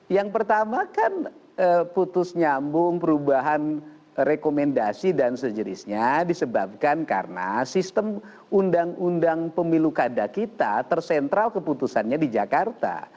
yang pertama kan putus nyambung perubahan rekomendasi dan sejenisnya disebabkan karena sistem undang undang pemilu kada kita tersentral keputusannya di jakarta